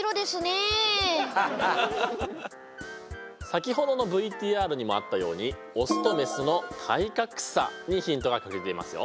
先ほどのＶＴＲにもあったようにオスとメスの体格差にヒントが隠れていますよ。